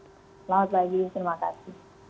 selamat pagi terima kasih